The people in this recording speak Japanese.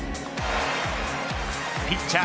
ピッチャー